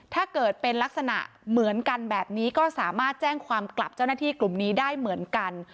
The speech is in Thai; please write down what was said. ถ้าเกิดเป็นลักษณะเหมือนกันแบบนี้ก็สามารถแจ้งความกลับเจ้าหน้าที่กลุ่มนี้ได้เหมือนกัน